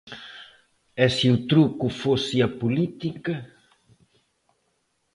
E se o truco fose a política?